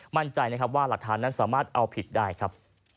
มั่นใจนะครับว่าหลักฐานนั้นสามารถเอาผิดได้ครับ